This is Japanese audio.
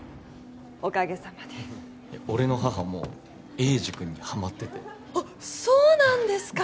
おかげさまで俺の母も栄治くんにハマっててあっそうなんですか？